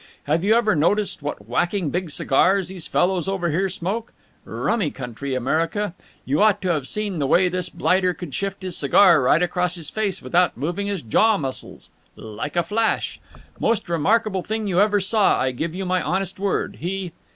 Have you ever noticed what whacking big cigars these fellows over here smoke? Rummy country, America. You ought to have seen the way this blighter could shift his cigar right across his face with moving his jaw muscles. Like a flash! Most remarkable thing you ever saw, I give you my honest word! He...."